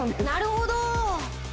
なるほど！